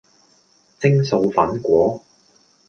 蒸素粉果